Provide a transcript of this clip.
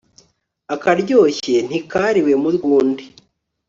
akaryoshye ntikariwe mu rw'undi